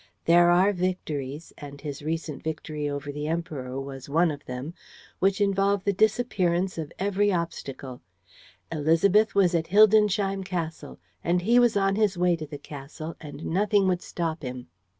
There are victories and his recent victory over the Emperor was one of them which involve the disappearance of every obstacle. Élisabeth was at Hildensheim Castle and he was on his way to the castle and nothing would stop him.